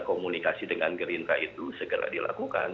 komunikasi dengan gerindra itu segera dilakukan